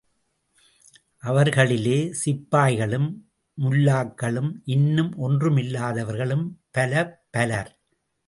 அவர்களிலே, சிப்பாய்களும், முல்லாக்களும், இன்னும் ஒன்றுமில்லாதவர்களும் பலப்பலர்.